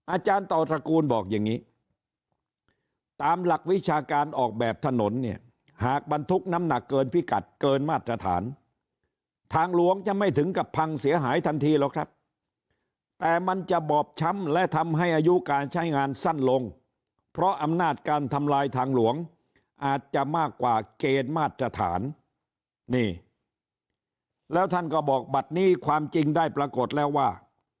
อาจารย์ต่อตระกูลบอกอย่างนี้ตามหลักวิชาการออกแบบถนนเนี่ยหากบรรทุกน้ำหนักเกินพิกัดเกินมาตรฐานทางหลวงจะไม่ถึงกับพังเสียหายทันทีหรอกครับแต่มันจะบอบช้ำและทำให้อายุการใช้งานสั้นลงเพราะอำนาจการทำลายทางหลวงอาจจะมากกว่าเกณฑ์มาตรฐานนี่แล้วท่านก็บอกบัตรนี้ความจริงได้ปรากฏแล้วว่า